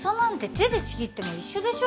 手でちぎっても一緒でしょ？